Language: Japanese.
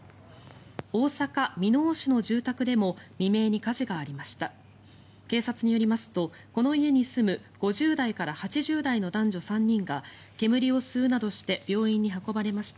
大阪・箕面市の住宅でも未明に火事がありました。